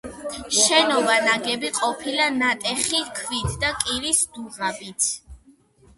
შენობა ნაგები ყოფილა ნატეხი ქვით და კირის დუღაბით.